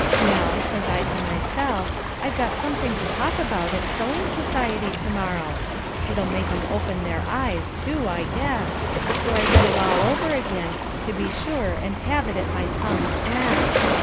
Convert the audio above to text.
Now, says I to myself, I've got something to talk about at sewing society to morrow. It'll make 'em open their eyes, too, I guess, so I read it all over again, to be sure and have it at my tongue's end.